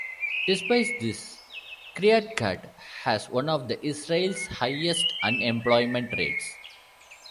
Despite this, Kiryat Gat has one of Israel's highest unemployment rates.